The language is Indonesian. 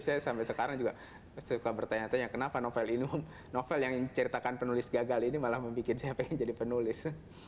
saya sampai sekarang juga suka bertanya tanya kenapa novel yang ceritakan penulis gagal ini malah membuat saya pengen jadi penulis